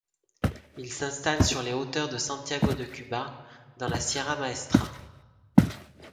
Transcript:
Ils s'installent sur les hauteurs de Santiago de Cuba, dans la Sierra Maestra.